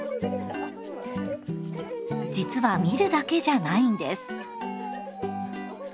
実は見るだけじゃないんです。